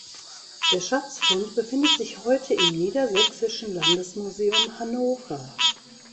Der Schatzfund befindet sich heute im Niedersächsischen Landesmuseum Hannover.